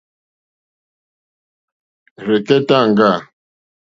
Rzɛ̀kɛ́táŋɡâ.